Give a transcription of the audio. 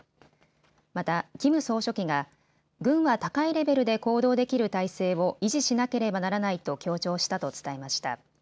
またキム総書記が軍は高いレベルで行動できる態勢を維持しなければならないと強調したと伝えました。